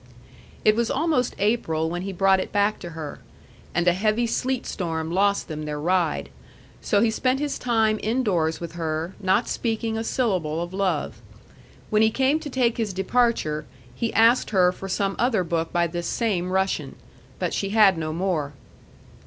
It was almost April when he brought it back to her and a heavy sleet storm lost them their ride. So he spent his time indoors with her, not speaking a syllable of love. When he came to take his departure, he asked her for some other book by this same Russian. But she had no more.